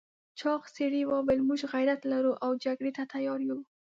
چاغ سړي وویل موږ غيرت لرو او جګړې ته تيار یو.